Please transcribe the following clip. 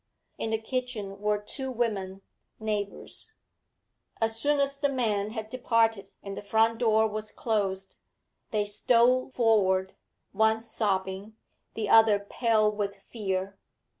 In the kitchen were two women, neighbours; as soon as the men had departed, and the front door was closed, they stole forward, one sobbing, the other pale with fear.